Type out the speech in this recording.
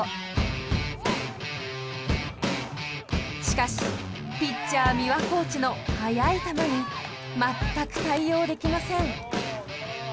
［しかしピッチャー三輪コーチの速い球にまったく対応できません］